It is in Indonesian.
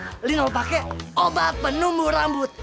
saatnya lino pake obat penumbuh rambut